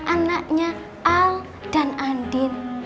anaknya al dan andin